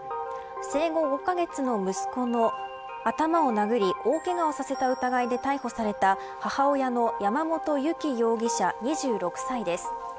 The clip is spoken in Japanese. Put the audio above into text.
生後５カ月の息子の頭を殴り大けがをさせた疑いで逮捕された母親の山本由貴容疑者２６歳です。